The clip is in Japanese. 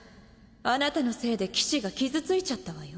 あなたのせいで騎士が傷ついちゃったわよ。